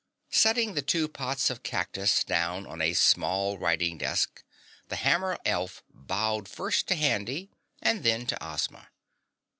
Setting the two pots of cactus down on a small writing desk, the hammer elf bowed first to Handy and then to Ozma.